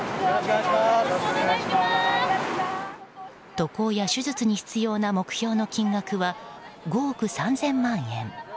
渡航や手術に必要な目標の金額は５億３０００万円。